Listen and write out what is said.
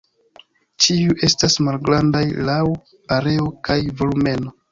Ĉiuj estas malgrandaj laŭ areo kaj volumeno.